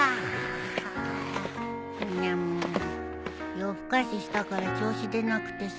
夜更かししたから調子出なくてさ